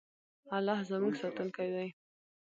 الله زموږ ساتونکی دی.